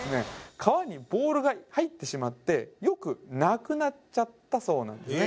川にボールが入ってしまってよくなくなっちゃったそうなんですね